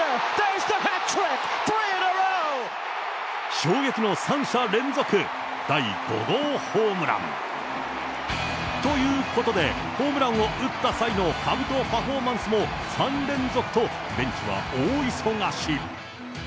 衝撃の３者連続、第５号ホームラン。ということで、ホームランを打った際のかぶとパフォーマンスも３連続と、ベンチは大忙し。